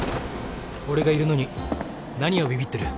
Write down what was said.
俺がいるのに何をビビってる。